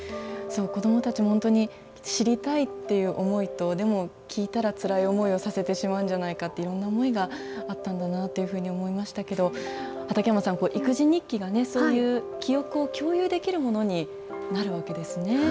子どもたちも本当に、知りたいっていう思いと、でも聞いたらつらい思いをさせてしまうんじゃないかっていう、いろんな思いがあったんだなというふうに思いましたけど、畠山さん、育児日記がそういう記憶を共有できるものになるわけですね。